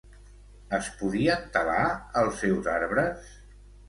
Es podien talar els seus arbres?